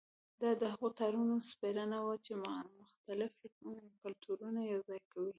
دا د هغو تارونو سپړنه وه چې مختلف کلتورونه یوځای کوي.